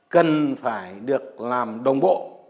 cần phải được làm đồng bộ